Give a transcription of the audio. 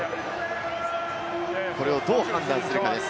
これをどう判断するかです。